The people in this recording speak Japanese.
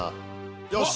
よし！